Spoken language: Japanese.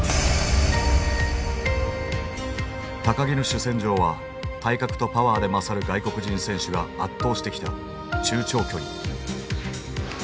木の主戦場は体格とパワーで勝る外国人選手が圧倒してきた中長距離。